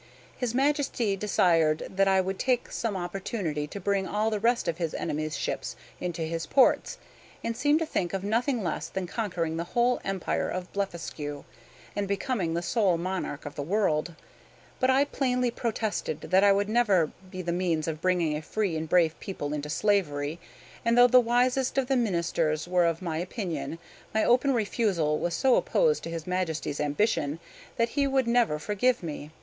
His Majesty desired that I would take some opportunity to bring all the rest of his enemy's ships into his ports, and seemed to think of nothing less than conquering the whole Empire of Blefuscu, and becoming the sole monarch of the world. But I plainly protested that I would never be the means of bringing a free and brave people into slavery; and though the wisest of the Ministers were of my opinion, my open refusal was so opposed to his Majesty's ambition that he could never forgive me.